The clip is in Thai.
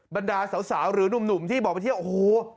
บรรดาสาวหรือหนุ่มที่บอกไปเที่ยวโอ้โห